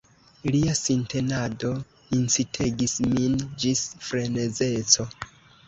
Lia sintenado incitegis min ĝis frenezeco.